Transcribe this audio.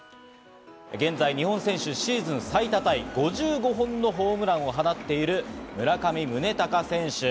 現在、日本選手、シーンズン最多タイ、５５本のホームランを放っている村上宗隆選手。